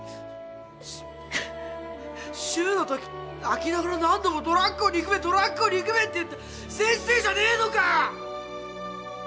しゅうの時、泣きながら何度もドラッグを憎めドラッグを憎めって言った先生じゃねえのかよ！